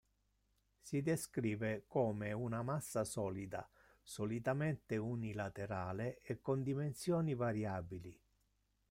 Si descrive come una massa solida, solitamente unilaterale e con dimensioni variabili.